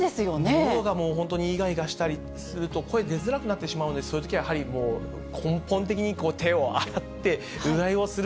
のどが本当にいがいがしたりすると声出づらくなってしまうので、そういうときはやはり、根本的に手を洗って、うがいをする。